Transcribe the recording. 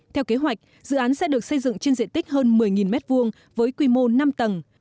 theo kế hoạch dự án sẽ được xây dựng trên diện tích hơn một mươi m hai với quy mô năm tầng